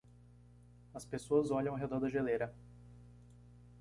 As pessoas olham ao redor da geleira